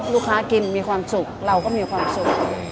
กินมีความสุขเราก็มีความสุข